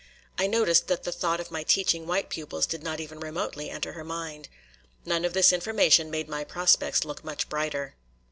I noticed that the thought of my teaching white pupils did not even remotely enter her mind. None of this information made my prospects look much brighter.